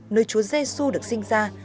nơi chúa giê xu được sinh ra